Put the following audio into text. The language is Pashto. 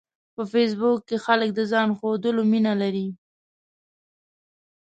په فېسبوک کې خلک د ځان ښودلو مینه لري